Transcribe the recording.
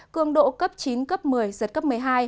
cường độ cấp chín cấp một mươi giật cấp một mươi hai